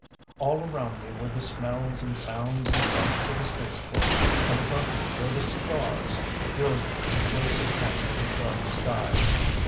All around me were the smells and sounds and sights of a spaceport, and above me were the stars, brilliant and close at hand in the dark sky.